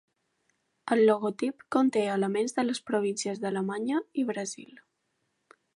El logotip conté elements de les províncies d"Alemanya i Brasil.